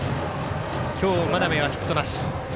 今日、真鍋はヒットなし。